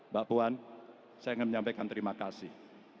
mbak puan saya ingin menyampaikan terima kasih